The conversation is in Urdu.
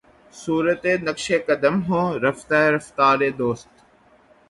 صورتِ نقشِ قدم ہوں رفتۂ رفتارِ دوست